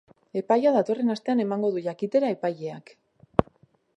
Epaia datorren astean emango du jakitera epaileak.